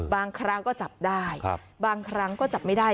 บางครั้งก็จับได้บางครั้งก็จับไม่ได้